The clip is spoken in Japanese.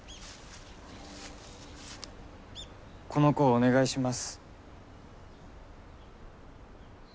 この子をお願いします。